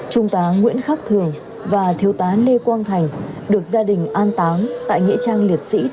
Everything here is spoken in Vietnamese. trung tá nguyễn khắc thường và thiếu tá lê quang thành được gia đình an táng tại nghệ trang liệt sĩ